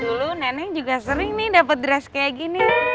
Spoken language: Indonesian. dulu neneng juga sering nih dapet dress kayak gini